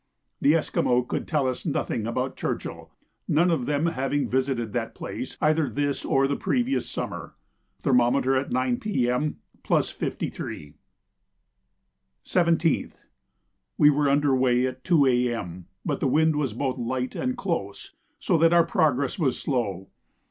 The Esquimaux could tell us nothing about Churchill, none of them having visited that place either this or the previous summer. Thermometer at 9 P.M. +53. 17th. We were under weigh at 2 A.M., but the wind was both light and close, so that our progress was slow.